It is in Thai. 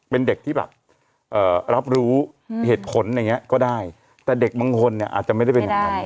เป็นเด็กที่แบบรับรู้เหตุผลอย่างนี้ก็ได้แต่เด็กบางคนเนี่ยอาจจะไม่ได้เป็นอย่างนั้น